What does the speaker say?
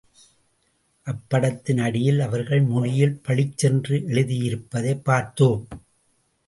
அப்படத்தின் அடியில் அவர்கள் மொழியில் பளிச்சென்று எழுதியிருப்பதைப் பார்த்தோம்.